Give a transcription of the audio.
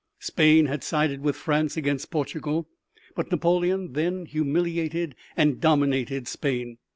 Spain had sided with France against Portugal, but Napoleon then humiliated and dominated Spain.